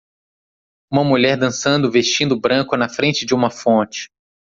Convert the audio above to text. Uma mulher dançando vestindo branco na frente de uma fonte.